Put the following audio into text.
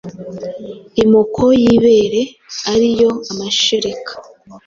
imoko y’ibere » ari yo amashereka